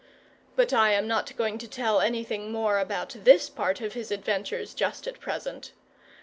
But I am not going to tell anything more about this part of his adventures just at present.